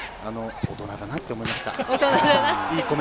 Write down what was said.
大人だなと思いました。